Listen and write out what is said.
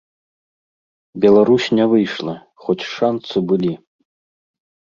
Беларусь не выйшла, хоць шанцы былі.